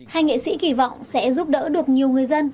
hai nghệ sĩ kỳ vọng sẽ giúp đỡ được nhiều người dân